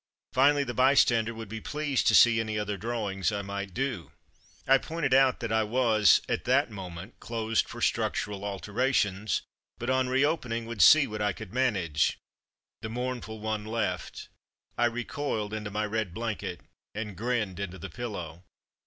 Finally, the By stander would be pleased to see any other drawings I might do. I pointed out that I was, at that moment. Find Myself in Request 7 closed for structural alterations, but on reopening would see what I could manage. The mournful one left. I recoiled into my red blanket and grinned into the pillow.